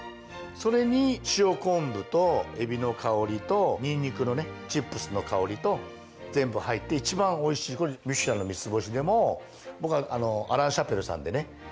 それに塩昆布とエビの香りとニンニクのねチップスの香りと全部入って一番おいしいこれミシュランの三つ星でも僕は「アラン・シャペル」さんでね教わった